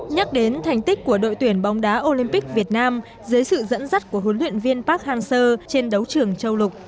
nhắc đến thành tích của đội tuyển bóng đá olympic việt nam dưới sự dẫn dắt của huấn luyện viên park hang seo trên đấu trường châu lục